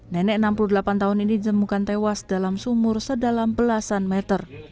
nenek enam puluh delapan tahun ini ditemukan tewas dalam sumur sedalam belasan meter